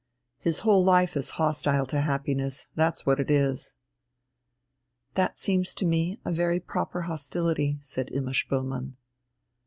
His whole life is hostile to happiness, that's what it is." "That seems to me a very proper hostility," said Imma Spoelmann.